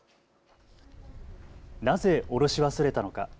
なぜ降ろし忘れたのか。